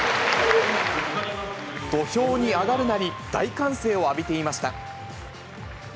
土俵に上がるなり、大歓声を浴びていました。